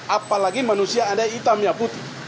apalagi manusia ada hitamnya putih